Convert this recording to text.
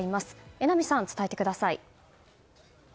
榎並さん、伝えてください。